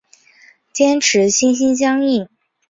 坚持心心相印。